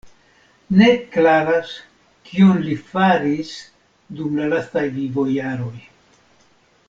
Ne klaras kion li faris dum la lastaj vivojaroj.